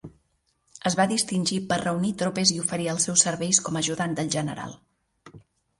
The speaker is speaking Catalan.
Es va distingir per reunir tropes i oferir els seus serveis com a ajudant de general.